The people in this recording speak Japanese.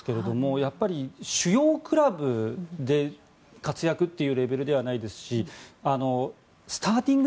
やっぱり主要クラブで活躍というレベルではないですしスターティング